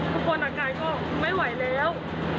ทุกคนอาการก็ไม่ไหวแล้ว